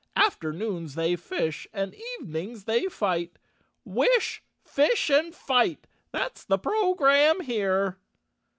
Afternoons they fish and evenings they fight. Wish, fish and fight—that's the program here."